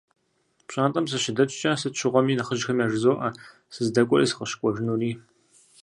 Пщӏантӏэм сыщыдэкӏкӏэ, сыт щыгъуэми нэхъыжьхэм яжызоӏэ сыздэкӏуэри сыкъыщыкӏуэжынури.